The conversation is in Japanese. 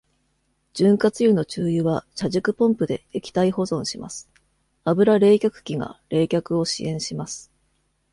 潤滑油の注油は、車軸ポンプで液体保存します。油冷却器が冷却を支援します。